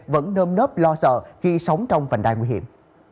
vẫn nơm nớp lo sợ khi sống trong vành đai nguy hiểm